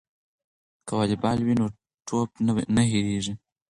که والیبال وي نو ټوپ نه هیریږي.